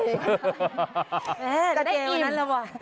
จะได้อิ่มลิเกว่านั้นล่ะว่ะ